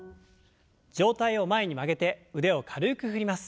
上体を前に曲げて腕を軽く振ります。